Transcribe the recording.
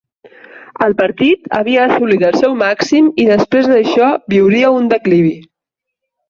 El partit havia assolit el seu màxim i després d'això viuria un declivi.